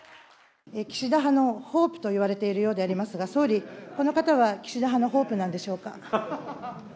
岸田派のホープといわれているようでありますが、総理、この方は岸田派のホープなんでしょうか。